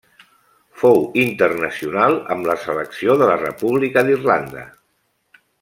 Fou internacional amb la selecció de la República d'Irlanda.